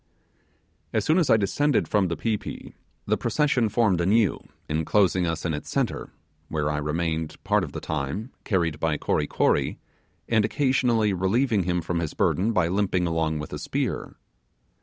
As soon as I descended from the pi pi, the procession formed anew, enclosing us in its centre; where I remained part of the time, carried by Kory Kory, and occasionally relieving him from his burden by limping along with spear.